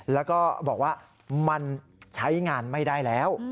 แล้วก็บอกว่ามันใช้งานไม่ได้แล้ว